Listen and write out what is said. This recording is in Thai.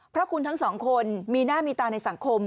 เพราะคุณทั้งสองคนมีหน้ามีตาในสังคม